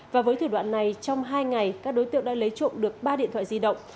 và với thủ đoạn này trong hai ngày các đối tượng đã lấy trộm được ba điện thoại di động